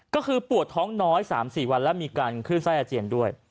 ก็คือปวดท้องน้อย๓๔วันแล้วมีการขึ้นไส้อาเจียนด้วย